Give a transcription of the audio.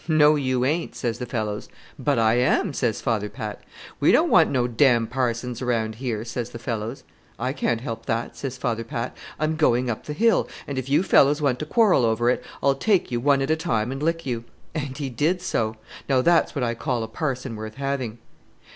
'No, you ain't,' says the fellows. 'But I am,' says Father Pat. 'We don't want no damned parsons around here,' says the fellows. 'I can't help that,' says Father Pat, 'I'm going up the hill; and if you fellows want to quarrel over it, I'll take you one at a time and lick you.' And he did so. Now that's what I call a parson worth having."